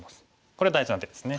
これ大事な手ですね。